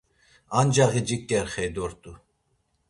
Ancaği ciǩerxey dort̆u.